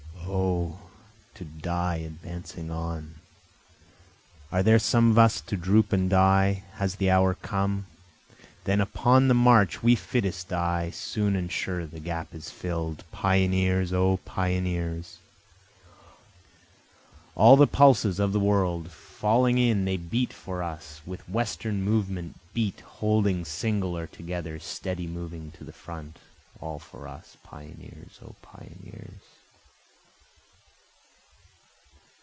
O to die advancing on! Are there some of us to droop and die? has the hour come? Then upon the march we fittest die, soon and sure the gap is fill'd. Pioneers! O pioneers! All the pulses of the world, Falling in they beat for us, with the Western movement beat, Holding single or together, steady moving to the front, all for us, Pioneers! O pioneers!